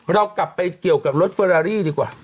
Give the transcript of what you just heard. เรากลับไปเกี่ยวกับรถเฟอรารี่ดีกว่า